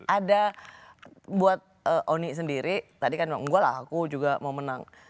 ada buat oni sendiri tadi kan enggak lah aku juga mau menang